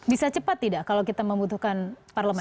bisa cepat tidak kalau kita membutuhkan parlemen